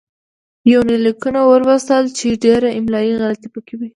يونليکونه ولوستل چې ډېره املايي غلطي پکې وې